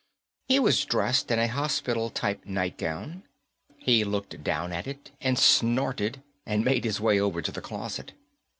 He was dressed in a hospital type nightgown. He looked down at it and snorted and made his way over to the closet.